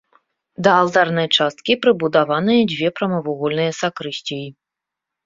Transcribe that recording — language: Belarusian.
Да алтарнай часткі прыбудаваныя две прамавугольныя сакрысціі.